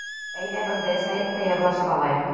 Әйҙә, берҙе эсәйек тә, йырлашып алайыҡ!